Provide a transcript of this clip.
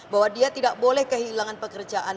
bahwa dia tidak boleh kehilangan pekerjaan